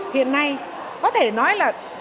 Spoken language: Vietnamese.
hiện nay có thể nói là